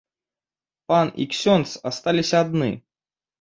Пан і ксёндз асталіся адны.